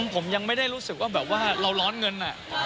ผมยังไม่ได้รู้สึกว่าแบบว่าเราร้อนเงิน